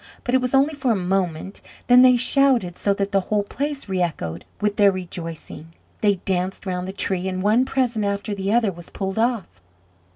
But it was only for a moment; then they shouted so that the whole place reechoed with their rejoicing; they danced round the tree, and one present after the other was pulled off.